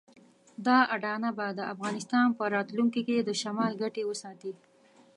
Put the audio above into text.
دا اډانه به د افغانستان په راتلونکي کې د شمال ګټې وساتي.